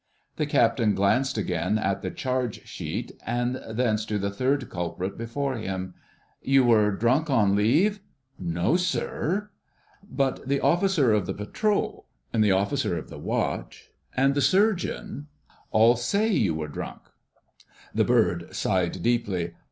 The Captain glanced again at the charge sheet and thence to the third culprit before him. "You were drunk on leave?" "No, sir." "But the Officer of the Patrol and the Officer of the Watch and the Surgeon all say you were drunk." The "bird" sighed deeply.